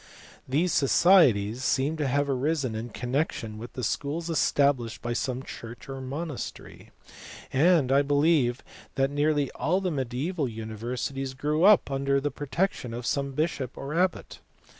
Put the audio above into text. | These societies seem to have arisen in connection with schools established by some church or monastery, and I believe that nearly all the mediaeval universities grew up under the protection of some bishop or abbot.